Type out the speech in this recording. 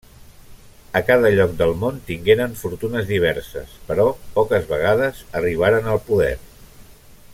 A cada lloc del món tingueren fortunes diverses, però poques vegades arribaren al poder.